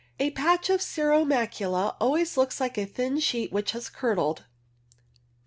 A patch of cirro macula always looks like a thin sheet which has curdled. Ci.